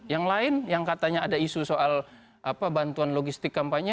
yang lain yang katanya ada isu soal bantuan logistik kampanye